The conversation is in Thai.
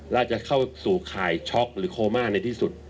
น่าจะเข้าสู่ข่ายช็อกหรือโคม่าในที่สุด